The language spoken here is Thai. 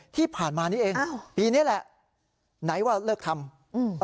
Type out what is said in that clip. ที่ผ่านมานี้เองอ้าวปีนี้แหละไหนว่าเลิกทำอืม